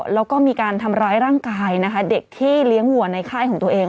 แล้วก็มีการทำร้ายร่างกายนะคะเด็กที่เลี้ยงวัวในค่ายของตัวเอง